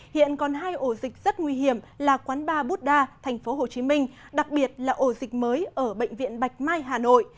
hiện còn hai ổ dịch rất nguy hiểm là quán ba bút đa tp hcm đặc biệt là ổ dịch mới ở bệnh viện bạch mai hà nội